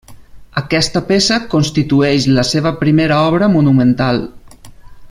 Aquesta peça constitueix la seva primera obra monumental.